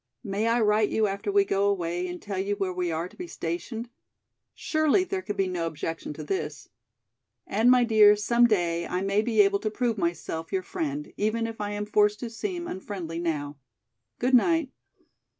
"May I write you after we go away and tell you where we are to be stationed? Surely there could be no objection to this. And, my dear, some day I may be able to prove myself your friend, even if I am forced to seem unfriendly now. Goodnight."